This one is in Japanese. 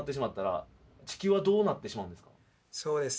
そうですね